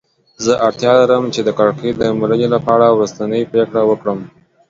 زه اړتیا لرم چې د کړکۍ درملنې په اړه وروستۍ پریکړه وکړم.